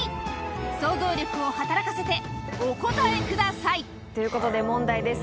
想像力を働かせてお答えくださいということで問題です